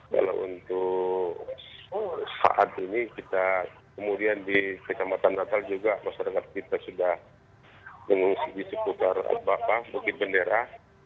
kalau untuk saat ini kita kemudian di kecamatan natal juga masyarakat kita sudah mengungsi di seputar bukit bendera